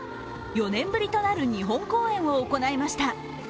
４年ぶりとなる日本公演を行いました。